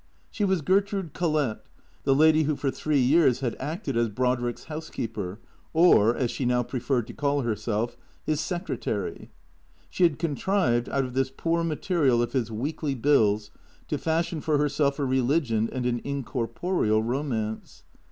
She was Gertrude Collett, the lady who for three years had acted as Brodrick's housekeeper, or, as she now preferred to call herself, his secretary. She had contrived, out of this poor material of his weekly bills, to fashion for herself a religion and an incorporeal romance.